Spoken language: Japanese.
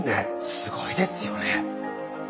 すごいですよね！